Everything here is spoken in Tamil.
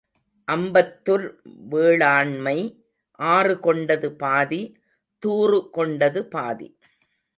அம்பத்துர் வேளாண்மை ஆறு கொண்டது பாதி துாறு கொண்டது பாதி,